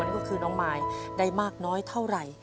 นั่นก็คือน้องมายได้มากน้อยเท่าไหร่